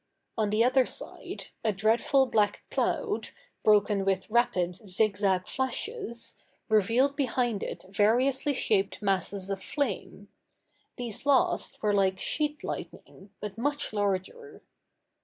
On the other side, a dreadful black cloud, broken with rapid, zigzag flashes, revealed behind it variously shaped masses of flame: these last were like sheet lightning, but much larger.